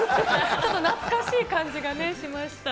ちょっと懐かしい感じがね、しました。